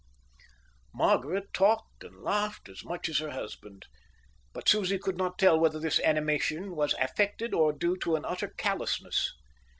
Margaret talked and laughed as much as her husband, but Susie could not tell whether this animation was affected or due to an utter callousness.